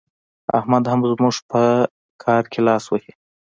احمد هم زموږ په کار کې لاس وهي.